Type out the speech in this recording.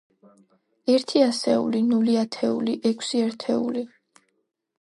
ერთი ასეული, ნული ათეული, ექვსი ერთეული.